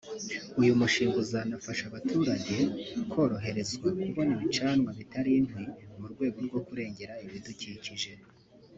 uyu mushinga uzanafasha abaturage koroherezwa kubona ibicanwa bitari inkwi mu rwego rwo kurengera ibidukikije